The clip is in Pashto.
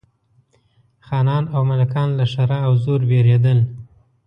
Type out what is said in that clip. خانان او ملکان له ښرا او زور بېرېدل.